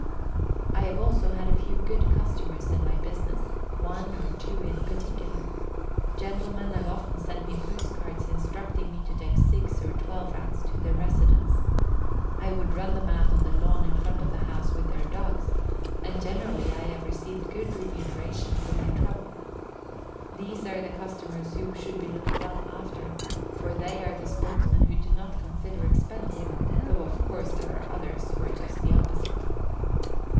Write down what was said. I have also had a few good customers in my business, one or two in particular. Gentlemen have often sent me post cards instructing me to take six or twelve Rats to their residences. I would run them out on the lawn in front of the house with their dogs, and generally I have received good remuneration for my trouble. These are the customers who should be looked well after, for they are the sportsmen who do not consider expense, though of course there are others who are just the opposite.